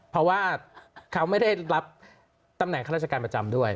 เพราะว่าเขาไม่ได้รับตำแหน่งข้าราชการประจำด้วย